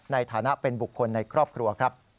ในฐานะเป็นบุคคลในครอบครัวครับ